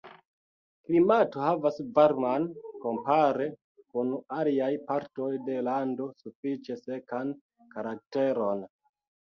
Klimato havas varman, kompare kun aliaj partoj de lando sufiĉe sekan karakteron.